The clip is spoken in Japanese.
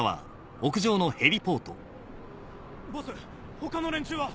ボス他の連中は？